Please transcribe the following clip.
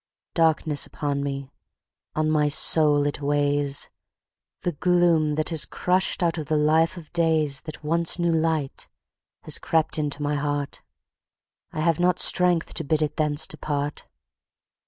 Darkness upon me. On my soul it weighs; The gloom, that has crushed out the life of daysThat once knew light, has crept into my heart;I have not strength to bid it thence depart.